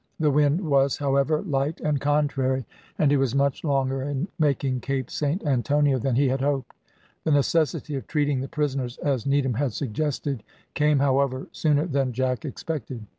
The wind was however, light and contrary, and he was much longer in making Cape Saint Antonio than he had hoped. The necessity for treating the prisoners as Needham had suggested came, however, sooner than Jack expected.